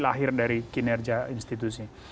lahir dari kinerja institusi